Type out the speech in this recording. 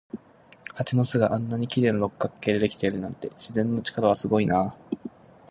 蜂の巣があんなに綺麗な六角形でできているなんて、自然の力はすごいなあ。